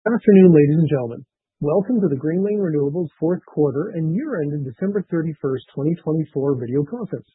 Good afternoon, ladies and gentlemen. Welcome to the Greenlane Renewables Fourth Quarter and Year Ended December 31st, 2024 Video Conference.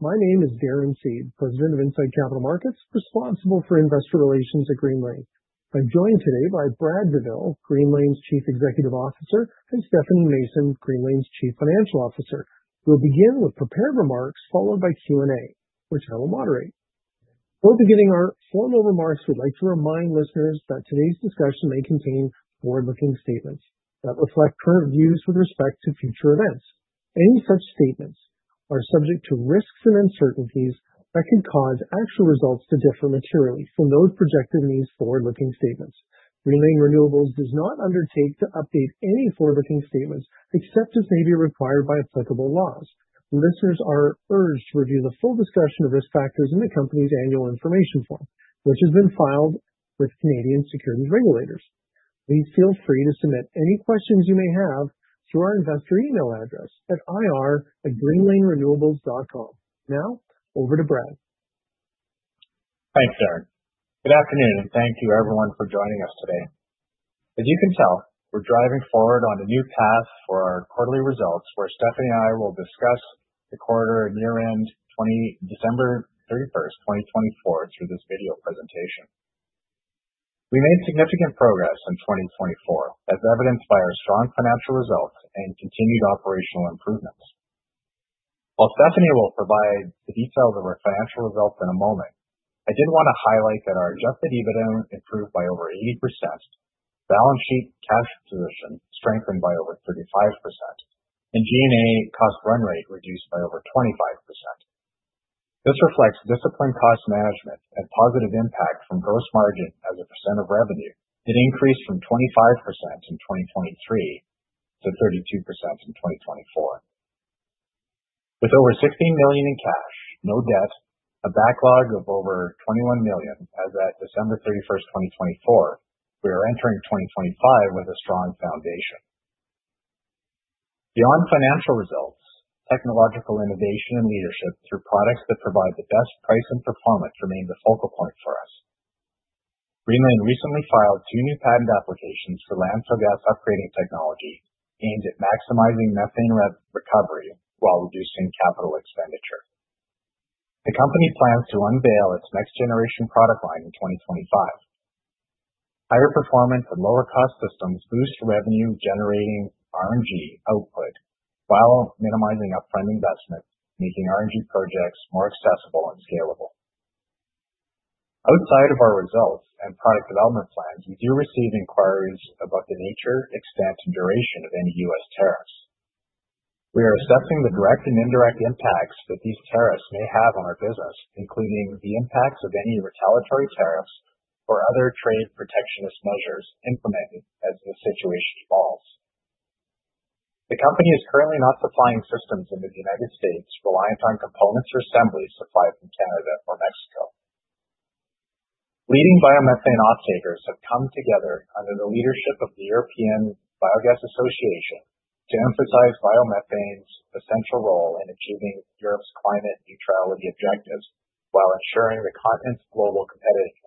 My name is Darren Seed, President of Incite Capital Markets, responsible for investor relations at Greenlane. I'm joined today by Brad Douville, Greenlane's Chief Executive Officer, and Stephanie Mason, Greenlane's Chief Financial Officer. We'll begin with prepared remarks followed by Q&A, which I will moderate. Before beginning our formal remarks, we'd like to remind listeners that today's discussion may contain forward-looking statements that reflect current views with respect to future events. Any such statements are subject to risks and uncertainties that could cause actual results to differ materially from those projected in these forward-looking statements. Greenlane Renewables does not undertake to update any forward-looking statements except as may be required by applicable laws. Listeners are urged to review the full discussion of risk factors in the company's annual information form, which has been filed with Canadian securities regulators. Please feel free to submit any questions you may have through our investor email address at ir@greenlanerenewables.com. Now, over to Brad. Thanks, Darren. Good afternoon, and thank you, everyone, for joining us today. As you can tell, we're driving forward on a new path for our quarterly results where Stephanie and I will discuss the quarter and year end December 31st, 2024, through this video presentation. We made significant progress in 2024, as evidenced by our strong financial results and continued operational improvements. While Stephanie will provide the details of our financial results in a moment, I did want to highlight that our adjusted EBITDA improved by over 80%, balance sheet cash position strengthened by over 35%, and G&A cost run rate reduced by over 25%. This reflects disciplined cost management and positive impact from gross margin as a percent of revenue. It increased from 25% in 2023 to 32% in 2024. With over 16 million in cash, no debt, a backlog of over 21 million, as at December 31, 2024, we are entering 2025 with a strong foundation. Beyond financial results, technological innovation and leadership through products that provide the best price and performance remain the focal point for us. Greenlane recently filed two new patent applications for landfill gas upgrading technology aimed at maximizing methane recovery while reducing capital expenditure. The company plans to unveil its next-generation product line in 2025. Higher performance and lower cost systems boost revenue-generating RNG output while minimizing upfront investment, making RNG projects more accessible and scalable. Outside of our results and product development plans, we do receive inquiries about the nature, extent, and duration of any U.S. tariffs. We are assessing the direct and indirect impacts that these tariffs may have on our business, including the impacts of any retaliatory tariffs or other trade protectionist measures implemented as the situation evolves. The company is currently not supplying systems into the United States, reliant on components or assemblies supplied from Canada or Mexico. Leading biomethane offtakers have come together under the leadership of the European Biogas Association to emphasize biomethane's essential role in achieving Europe's climate neutrality objectives while ensuring the continent's global competitiveness.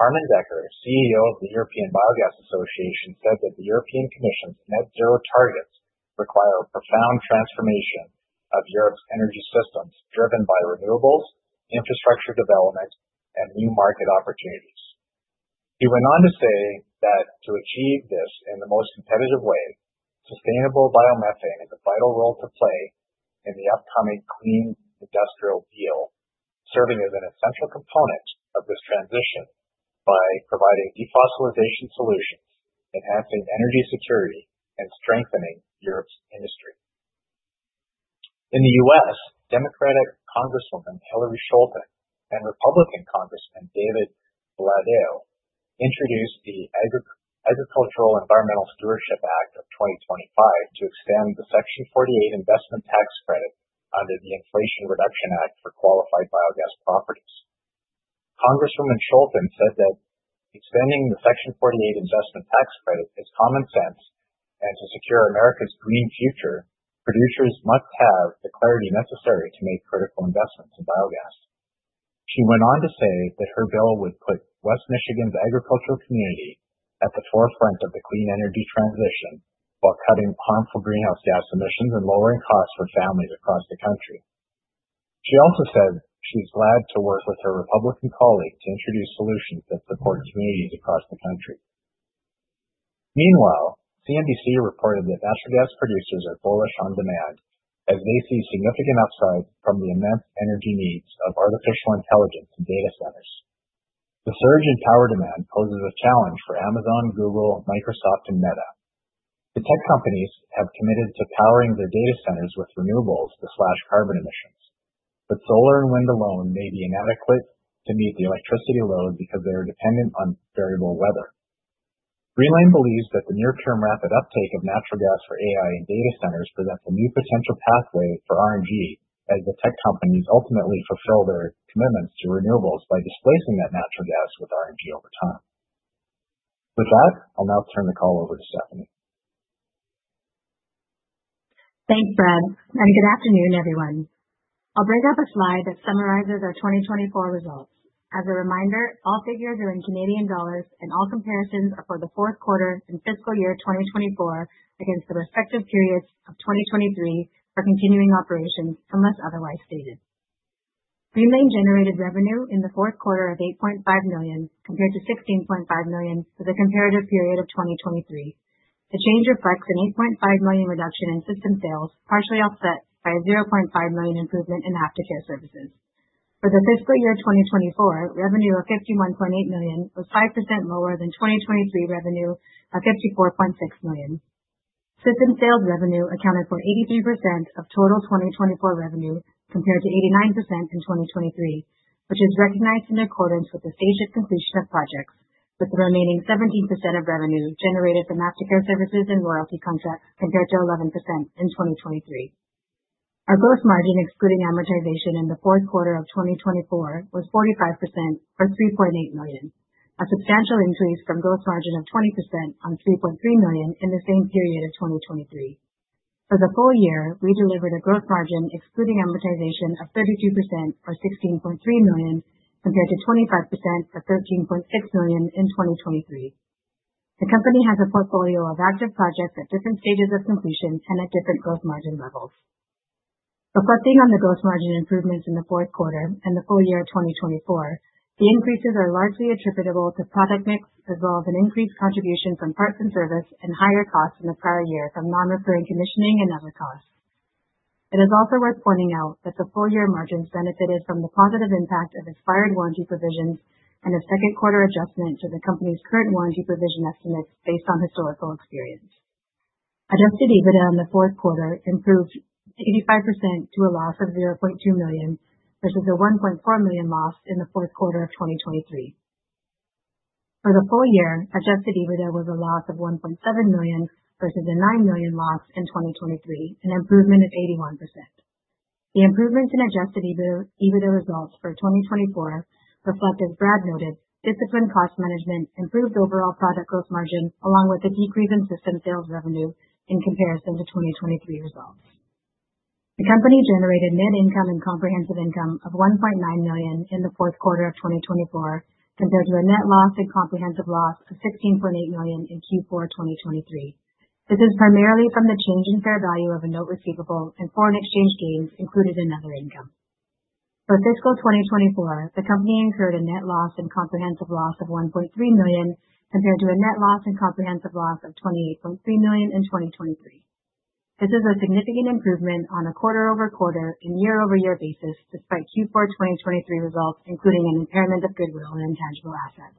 Harmen Dekker, CEO of the European Biogas Association, said that the European Commission's net zero targets require a profound transformation of Europe's energy systems driven by renewables, infrastructure development, and new market opportunities. He went on to say that to achieve this in the most competitive way, sustainable biomethane is a vital role to play in the upcoming Clean Industrial Deal, serving as an essential component of this transition by providing defossilization solutions, enhancing energy security, and strengthening Europe's industry. In the U.S. Democratic Congresswoman Hillary Scholten and Republican Congressman David Valadao introduced the Agricultural Environmental Stewardship Act of 2025 to extend the Section 48 investment tax credit under the Inflation Reduction Act for qualified biogas properties. Congresswoman Scholten said that extending the Section 48 investment tax credit is common sense, and to secure America's green future, producers must have the clarity necessary to make critical investments in biogas. She went on to say that her bill would put West Michigan's agricultural community at the forefront of the clean energy transition while cutting harmful greenhouse gas emissions and lowering costs for families across the country. She also said she's glad to work with her Republican colleague to introduce solutions that support communities across the country. Meanwhile, CNBC reported that natural gas producers are bullish on demand as they see significant upsides from the immense energy needs of artificial intelligence and data centers. The surge in power demand poses a challenge for Amazon, Google, Microsoft, and Meta. The tech companies have committed to powering their data centers with renewables to slash carbon emissions, but solar and wind alone may be inadequate to meet the electricity load because they are dependent on variable weather. Greenlane believes that the near-term rapid uptake of natural gas for AI and data centers presents a new potential pathway for RNG as the tech companies ultimately fulfill their commitments to renewables by displacing that natural gas with RNG over time. With that, I'll now turn the call over to Stephanie. Thanks, Brad, and good afternoon, everyone. I'll bring up a slide that summarizes our 2024 results. As a reminder, all figures are in CAD, and all comparisons are for the fourth quarter and fiscal year 2024 against the respective periods of 2023 for continuing operations unless otherwise stated. Greenlane generated revenue in the fourth quarter of 8.5 million compared to 16.5 million for the comparative period of 2023. The change reflects a 8.5 million reduction in system sales, partially offset by a 0.5 million improvement in aftercare services. For the fiscal year 2024, revenue of 51.8 million was 5% lower than 2023 revenue of 54.6 million. System sales revenue accounted for 83% of total 2024 revenue compared to 89% in 2023, which is recognized in accordance with the stage of completion of projects, with the remaining 17% of revenue generated from aftercare services and royalty contracts compared to 11% in 2023. Our gross margin, excluding amortization in the fourth quarter of 2024, was 45% or 3.8 million, a substantial increase from gross margin of 20% on 3.3 million in the same period of 2023. For the full year, we delivered a gross margin, excluding amortization, of 32% or 16.3 million compared to 25% or 13.6 million in 2023. The company has a portfolio of active projects at different stages of completion and at different gross margin levels. Reflecting on the gross margin improvements in the fourth quarter and the full year 2024, the increases are largely attributable to product mix, as well as an increased contribution from parts and service and higher costs in the prior year from non-recurring commissioning and other costs. It is also worth pointing out that the full year margins benefited from the positive impact of expired warranty provisions and a second quarter adjustment to the company's current warranty provision estimates based on historical experience. Adjusted EBITDA in the fourth quarter improved 85% to a loss of $0.2 million versus a $1.4 million loss in the fourth quarter of 2023. For the full year, adjusted EBITDA was a loss of $1.7 million versus a $9 million loss in 2023, an improvement of 81%. The improvements in adjusted EBITDA results for 2024 reflect, as Brad noted, disciplined cost management, improved overall product gross margin, along with a decrease in system sales revenue in comparison to 2023 results. The company generated net income and comprehensive income of 1.9 million in the fourth quarter of 2024 compared to a net loss and comprehensive loss of 16.8 million in Q4 2023. This is primarily from the change in fair value of a note receivable and foreign exchange gains included in other income. For fiscal 2024, the company incurred a net loss and comprehensive loss of 1.3 million compared to a net loss and comprehensive loss of 28.3 million in 2023. This is a significant improvement on a quarter-over-quarter and year-over-year basis, despite Q4 2023 results, including an impairment of goodwill and intangible assets.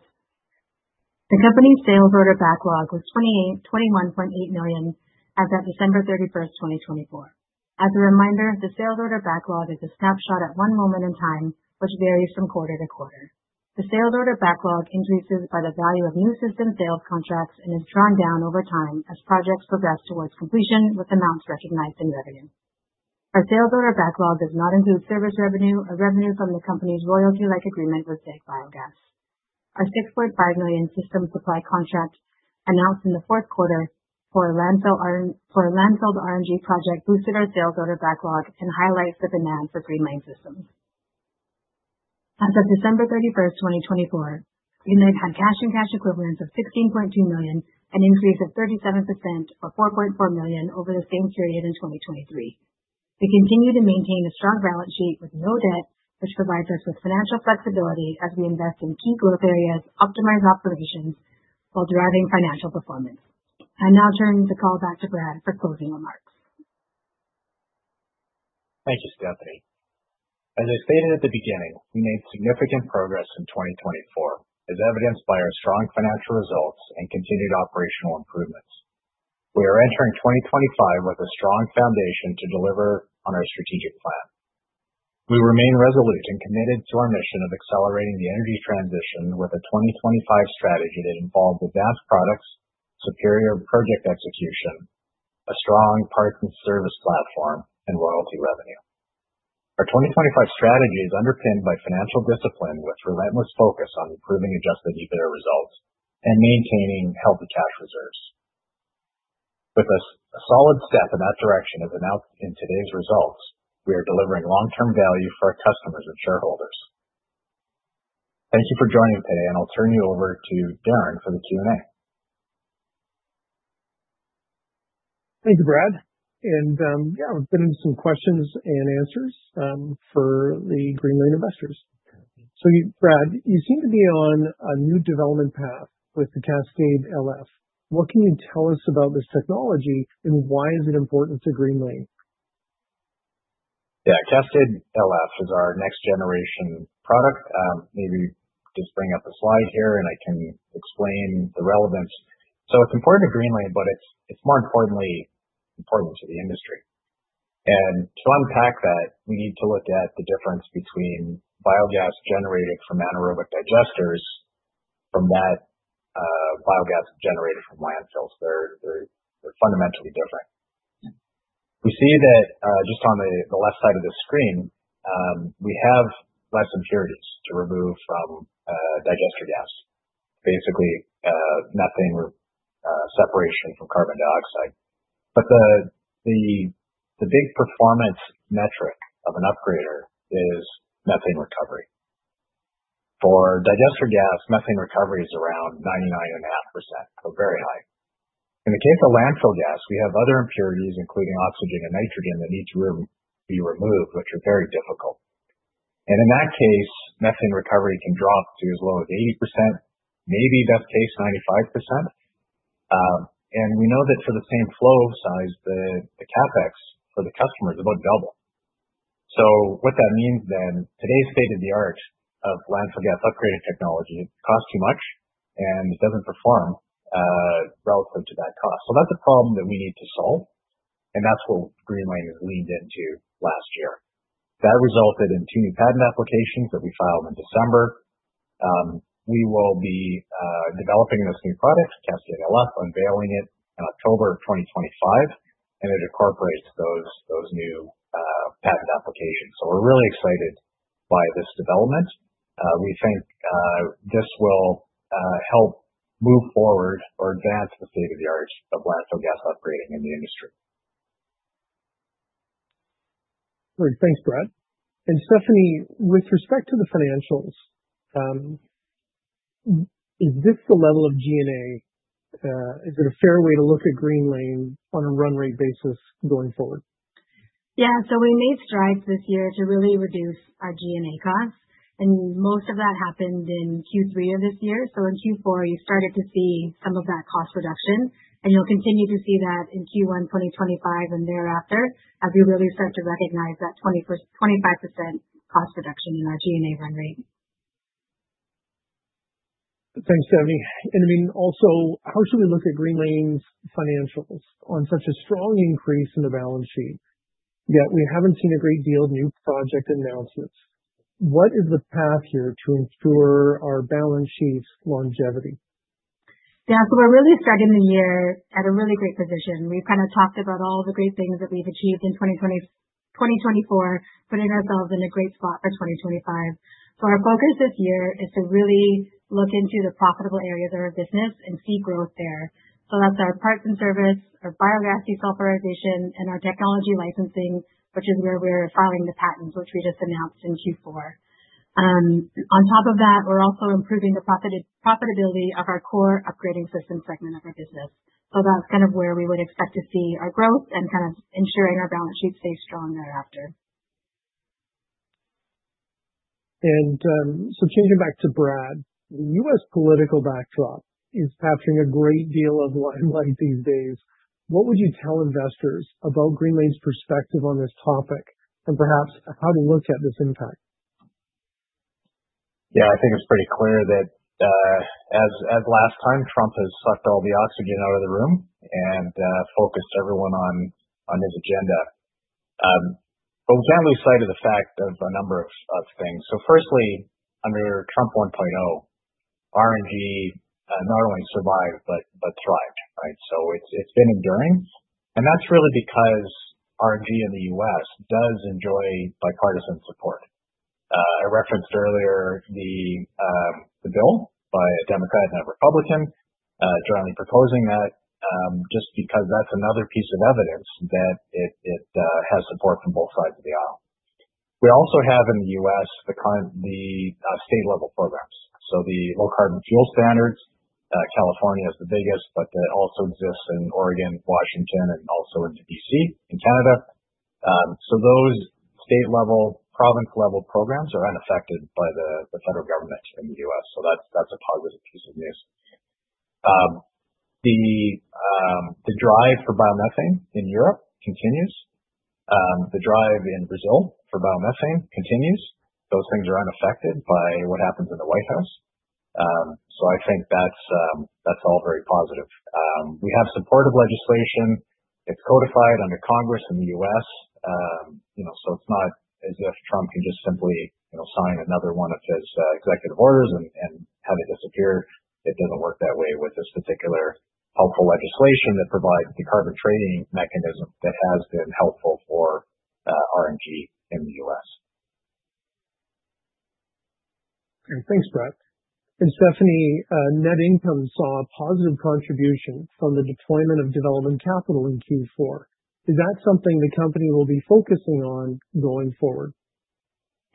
The company's sales order backlog was 21.8 million as at December 31st, 2024. As a reminder, the sales order backlog is a snapshot at one moment in time, which varies from quarter to quarter. The sales order backlog increases by the value of new system sales contracts and is drawn down over time as projects progress towards completion with amounts recognized in revenue. Our sales order backlog does not include service revenue or revenue from the company's royalty-like agreement with ZEG Biogas. Our $6.5 million system supply contract announced in the fourth quarter for a landfill RNG project boosted our sales order backlog and highlights the demand for Greenlane systems. As of December 31st, 2024, Greenlane had cash and cash equivalents of 16.2 million, an increase of 37% or 4.4 million over the same period in 2023. We continue to maintain a strong balance sheet with no debt, which provides us with financial flexibility as we invest in key growth areas, optimize operations, while driving financial performance. I'm now turning the call back to Brad for closing remarks. Thank you, Stephanie. As I stated at the beginning, we made significant progress in 2024, as evidenced by our strong financial results and continued operational improvements. We are entering 2025 with a strong foundation to deliver on our strategic plan. We remain resolute and committed to our mission of accelerating the energy transition with a 2025 strategy that involves advanced products, superior project execution, a strong parts and service platform, and loyalty revenue. Our 2025 strategy is underpinned by financial discipline with relentless focus on improving adjusted EBITDA results and maintaining healthy cash reserves. With a solid step in that direction as announced in today's results, we are delivering long-term value for our customers and shareholders. Thank you for joining today, and I'll turn you over to Darren for the Q&A. Thank you, Brad. Yeah, we've been into some questions and answers for the Greenlane investors. Brad, you seem to be on a new development path with the Cascade LF. What can you tell us about this technology and why is it important to Greenlane? Yeah, Cascade LF is our next-generation product. Maybe just bring up a slide here and I can explain the relevance. It is important to Greenlane, but it is more importantly important to the industry. To unpack that, we need to look at the difference between biogas generated from anaerobic digesters and that biogas generated from landfills. They are fundamentally different. We see that just on the left side of the screen, we have fewer impurities to remove from digester gas, basically methane separation from carbon dioxide. The big performance metric of an upgrader is methane recovery. For digester gas, methane recovery is around 99.5%, so very high. In the case of landfill gas, we have other impurities, including oxygen and nitrogen, that need to be removed, which are very difficult. In that case, methane recovery can drop to as low as 80%, maybe best case 95%. We know that for the same flow size, the CapEx for the customer is about double. What that means then, today's state of the art of landfill gas upgraded technology costs too much and does not perform relative to that cost. That is a problem that we need to solve, and that is what Greenlane has leaned into last year. That resulted in two new patent applications that we filed in December. We will be developing this new product, Cascade LF, unveiling it in October of 2025, and it incorporates those new patent applications. We are really excited by this development. We think this will help move forward or advance the state of the art of landfill gas upgrading in the industry. Great. Thanks, Brad. Stephanie, with respect to the financials, is this the level of G&A? Is it a fair way to look at Greenlane on a run rate basis going forward? Yeah, we made strides this year to really reduce our G&A costs, and most of that happened in Q3 of this year. In Q4, you started to see some of that cost reduction, and you'll continue to see that in Q1 2025 and thereafter as we really start to recognize that 25% cost reduction in our G&A run rate. Thanks, Stephanie. I mean, also, how should we look at Greenlane's financials on such a strong increase in the balance sheet yet we haven't seen a great deal of new project announcements? What is the path here to ensure our balance sheet's longevity? Yeah, so we're really struck in the year at a really great position. We've kind of talked about all the great things that we've achieved in 2024, putting ourselves in a great spot for 2025. Our focus this year is to really look into the profitable areas of our business and see growth there. That's our parts and service, our biogas desulfurization, and our technology licensing, which is where we're filing the patents, which we just announced in Q4. On top of that, we're also improving the profitability of our core upgrading system segment of our business. That's kind of where we would expect to see our growth and kind of ensuring our balance sheet stays strong thereafter. Changing back to Brad, the U.S. political backdrop is capturing a great deal of limelight these days. What would you tell investors about Greenlane's perspective on this topic and perhaps how to look at this impact? Yeah, I think it's pretty clear that as last time, Trump has sucked all the oxygen out of the room and focused everyone on his agenda. We can't lose sight of the fact of a number of things. Firstly, under Trump 1.0, RNG not only survived, but thrived, right? It's been enduring. That's really because RNG in the U.S. does enjoy bipartisan support. I referenced earlier the bill by a Democrat and a Republican jointly proposing that just because that's another piece of evidence that it has support from both sides of the aisle. We also have in the U.S. the state-level programs. The low-carbon fuel standards, California is the biggest, but that also exists in Oregon, Washington, and also in B.C. in Canada. Those state-level, province-level programs are unaffected by the federal government in the U.S. That's a positive piece of news. The drive for biomethane in Europe continues. The drive in Brazil for biomethane continues. Those things are unaffected by what happens in the White House. I think that's all very positive. We have supportive legislation. It's codified under Congress in the U.S. It's not as if Trump can just simply sign another one of his executive orders and have it disappear. It doesn't work that way with this particular helpful legislation that provides the carbon trading mechanism that has been helpful for RNG in the U.S. Thanks, Brad. And Stephanie, net income saw a positive contribution from the deployment of development capital in Q4. Is that something the company will be focusing on going forward?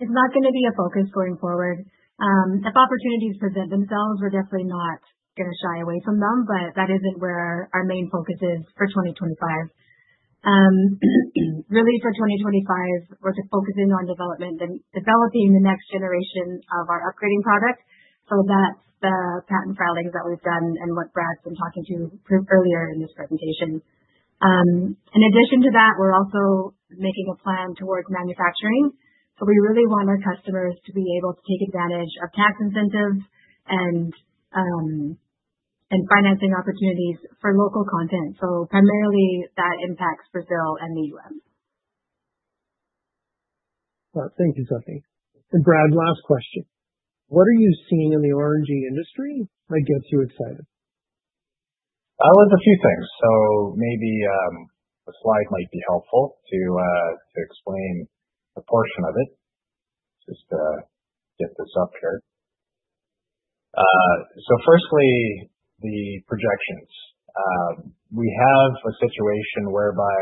It's not going to be a focus going forward. If opportunities present themselves, we're definitely not going to shy away from them, but that isn't where our main focus is for 2025. Really, for 2025, we're focusing on developing the next generation of our upgrading product. So that's the patent filings that we've done and what Brad's been talking to earlier in this presentation. In addition to that, we're also making a plan towards manufacturing. We really want our customers to be able to take advantage of tax incentives and financing opportunities for local content. Primarily that impacts Brazil and the U.S. Thank you, Stephanie. Brad, last question. What are you seeing in the RNG industry that gets you excited? It is a few things. Maybe the slide might be helpful to explain a portion of it. Just get this up here. Firstly, the projections. We have a situation whereby,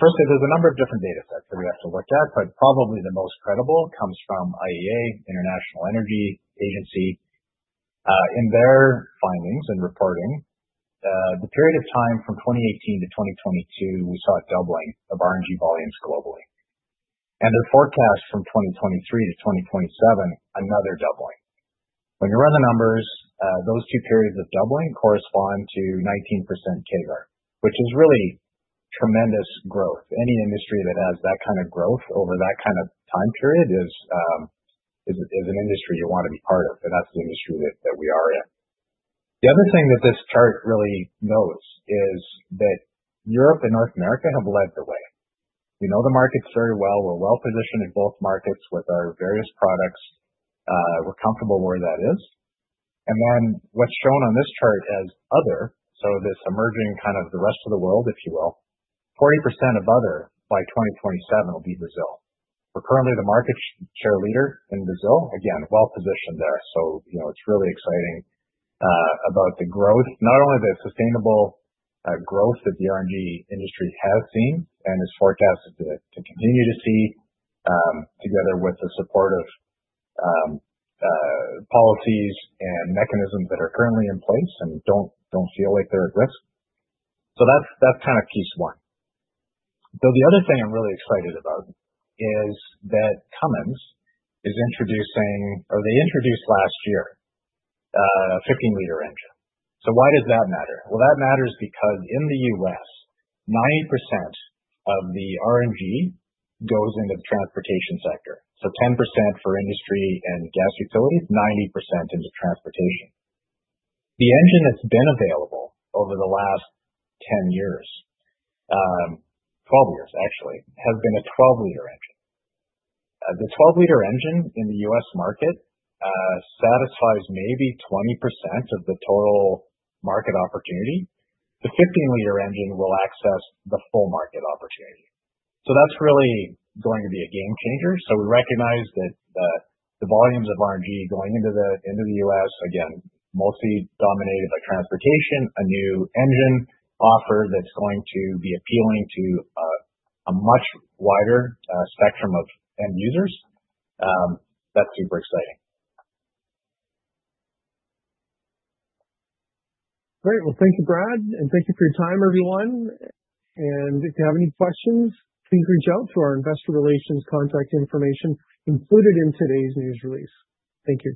firstly, there are a number of different data sets that we have to look at, but probably the most credible comes from IEA, International Energy Agency. In their findings and reporting, the period of time from 2018 to 2022, we saw a doubling of RNG volumes globally. Their forecast from 2023 to 2027, another doubling. When you run the numbers, those two periods of doubling correspond to 19% CAGR, which is really tremendous growth. Any industry that has that kind of growth over that kind of time period is an industry you want to be part of, and that is the industry that we are in. The other thing that this chart really notes is that Europe and North America have led the way. We know the markets very well. We're well positioned in both markets with our various products. We're comfortable where that is. What's shown on this chart as other, this emerging kind of the rest of the world, if you will, 40% of other by 2027 will be Brazil. We're currently the market share leader in Brazil, again, well positioned there. It is really exciting about the growth, not only the sustainable growth that the RNG industry has seen and is forecast to continue to see together with the supportive policies and mechanisms that are currently in place and do not feel like they're at risk. That's kind of piece one. The other thing I'm really excited about is that Cummins is introducing, or they introduced last year, a 15 L engine. Why does that matter? That matters because in the U.S., 90% of the RNG goes into the transportation sector. 10% for industry and gas utilities, 90% into transportation. The engine that's been available over the last 10 years, 12 years actually, has been a 12 L engine. The 12 L engine in the U.S. market satisfies maybe 20% of the total market opportunity. The 15 L engine will access the full market opportunity. That is really going to be a game changer. We recognize that the volumes of RNG going into the U.S., again, mostly dominated by transportation, a new engine offer that's going to be appealing to a much wider spectrum of end users. That's super exciting. Great. Thank you, Brad, and thank you for your time, everyone. If you have any questions, please reach out to our investor relations contact information included in today's news release. Thank you.